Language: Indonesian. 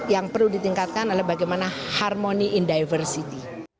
yang perlu ditingkatkan adalah bagaimana harmony in diversity